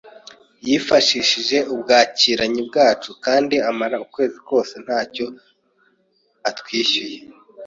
Yifashishije ubwakiranyi bwacu kandi amara ukwezi kose ntacyo atwishyuye